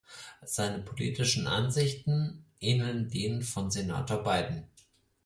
Seine politischen Ansichten ähneln denen von Senator Biden.